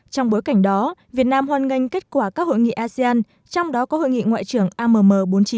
trong bối cảnh đó việt nam hoan nghênh kết quả các hội nghị asean trong đó có hội nghị ngoại trưởng amm bốn mươi chín